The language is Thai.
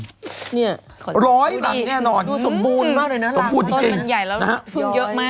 เนี่ยขอดูดิดูสมบูรณ์มากเลยนะรังภาพต้นมันใหญ่แล้วพึ่งเยอะมาก